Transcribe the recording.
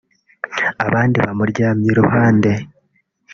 abandi bamuryamye iruhande